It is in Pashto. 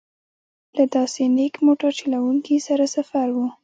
له داسې نېک موټر چلوونکي سره سفر و.